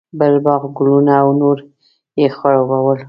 بل باغ، ګلونه او نور یې خړوبول.